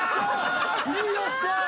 よっしゃ！